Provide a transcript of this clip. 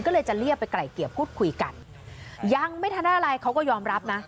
ก็เลยจะเรียกไปไกล่เกลี่ยพูดคุยกันยังไม่ทันได้อะไรเขาก็ยอมรับนะ